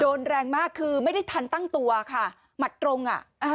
แรงมากคือไม่ได้ทันตั้งตัวค่ะหมัดตรงอ่ะอ่า